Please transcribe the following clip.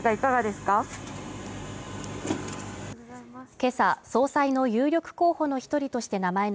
今朝総裁の有力候補の一人として名前の